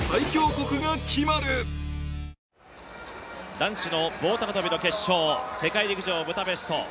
男子の棒高跳の決勝、世界陸上ブダペスト。